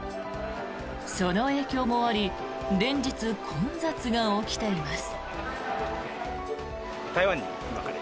その影響もあり連日、混雑が起きています。